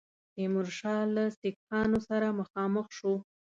تیمورشاه له سیکهانو سره مخامخ شو.